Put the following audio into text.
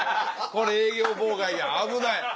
これ営業妨害や危ない。